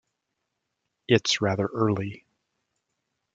It’s rather early.